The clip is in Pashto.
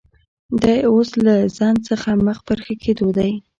دی اوس له زنځ څخه مخ پر ښه کېدو دی